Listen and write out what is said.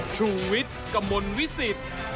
ชุวิตกระมวลวิสิต